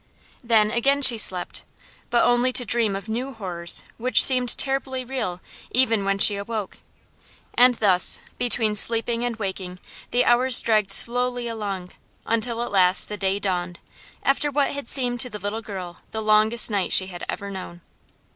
Then again she slept, but only to dream of new horrors which seemed terribly real even when she awoke; and thus, between sleeping and waking, the hours dragged slowly along, until at last the day dawned, after what had seemed to the little girl the longest night she had ever known.